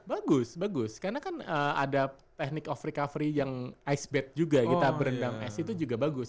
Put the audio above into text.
bagus bagus karena kan ada teknik of recovery yang ice bad juga kita berendam es itu juga bagus